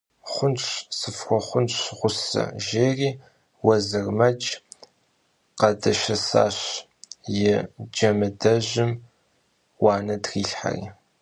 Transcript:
Xhunş, sıfxuexhunş ğuse, – jjêri Vuezırmec khadeşşesaş, yi Cemıdejım vuane trilhheri.